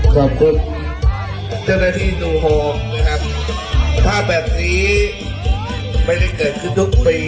ขอบคุณเจ้าหน้าที่ดูโฮมนะครับภาพแบบนี้ไม่ได้เกิดขึ้นทุกปี